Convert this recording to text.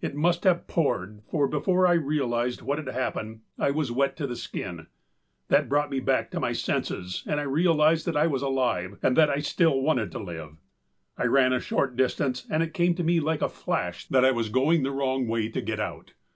It must have poured, for before I realized what had happened I was wet to the skin. That brought me back to my senses and I realized that I was alive and that I still wanted to live. I ran a short distance and it came to me like a flash that I was going the wrong way to get out.